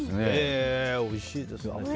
おいしいですね。